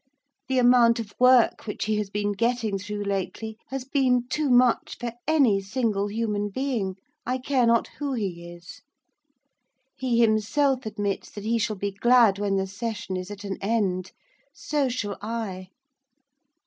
The amount of work which he has been getting through lately has been too much for any single human being, I care not who he is. He himself admits that he shall be glad when the session is at an end. So shall I.